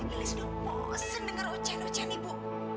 lilis sudah bosan dengar ucahan ucahan ibu